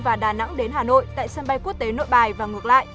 và đà nẵng đến hà nội tại sân bay quốc tế nội bài và ngược lại